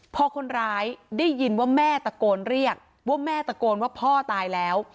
พอคนร้ายได้ยินว่าแม่ตะโกนเรียกว่าแม่ตะโกนว่าพ่อตายแล้ว